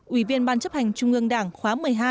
ủy viên ban chấp hành trung ương đảng khóa một mươi hai